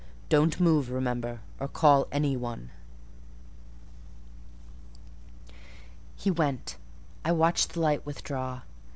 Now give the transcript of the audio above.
Don't move, remember, or call any one." He went: I watched the light withdraw.